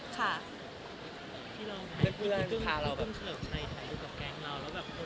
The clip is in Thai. แซว